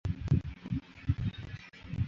原为清代琅峤卑南道的其中一段。